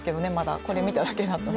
これを見ただけだと。